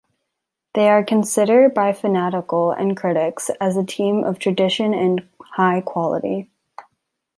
They are consider by fanatical and critics as a team of tradition and high quality.